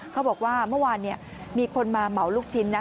เขาบอกว่าเมื่อวานมีคนมาเหมาลูกชิ้นนะ